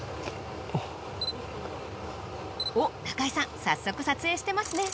おぉ中井さん早速撮影してますね。